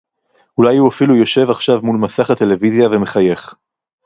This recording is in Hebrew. אולי הוא אפילו יושב עכשיו מול מסך הטלוויזיה ומחייך